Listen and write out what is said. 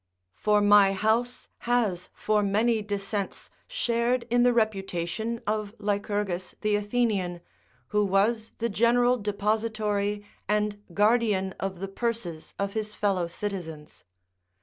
For my house has for many descents shared in the reputation of Lycurgus the Athenian, who was the general depository and guardian of the purses of his fellow citizens.